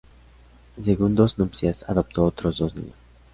En segundas nupcias, adoptó otros dos niños.